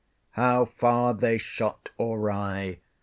How far they shot awry!